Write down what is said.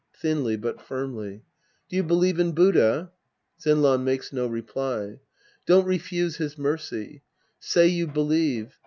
{Thinly but firmly.) Do you believe in Buddha? (Zenran makes no reply.) Don't refuse his mercy. Say you believe.